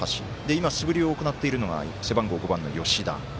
今、素振りを行っているのが背番号５番の吉田。